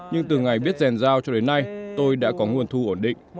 nhưng từ ngày biết rèn dao cho đến nay tôi đã có nguồn thu ổn định